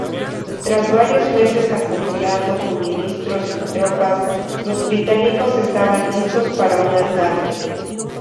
Tras varios meses acumulando suministros y tropas, los británicos estaban listos para un ataque.